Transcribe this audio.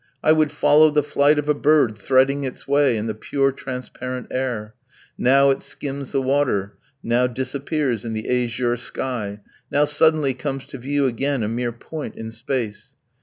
I would follow the flight of a bird threading its way in the pure transparent air; now it skims the water, now disappears in the azure sky, now suddenly comes to view again, a mere point in space.